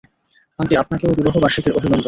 Aunty, আপনাকেও বিবাহ বার্ষিকীর অভিনন্দন।